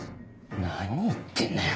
何言ってんだよ。